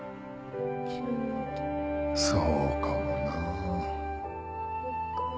そうかもな。